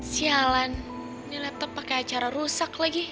sialan ini laptop pakai acara rusak lagi